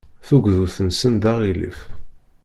Tugdut-nsen d aɣilif.